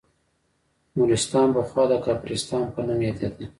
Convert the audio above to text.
نورستان پخوا د کافرستان په نوم یادیده